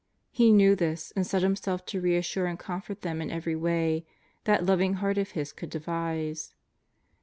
He knew this and set Himself to reassure and comfort them in every way that loving Heart of His could de vise.